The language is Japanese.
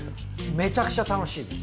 めちゃくちゃ楽しいです。